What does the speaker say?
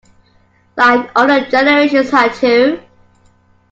Like older generations had to.